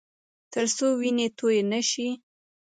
ترڅو وینې تویې نه شي